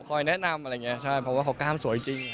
แนะนำอะไรอย่างนี้ใช่เพราะว่าเขากล้ามสวยจริง